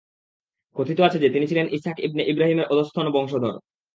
কথিত আছে যে, তিনি ছিলেন ইসহাক ইবন ইবরাহীমের অধঃস্তন বংশধর।